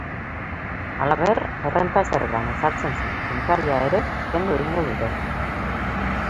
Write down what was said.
Halaber, errenta zergan ezartzen zen kenkaria ere kendu egingo dute.